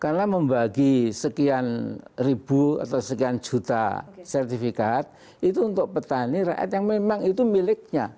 karena membagi sekian ribu atau sekian juta sertifikat itu untuk petani rakyat yang memang itu miliknya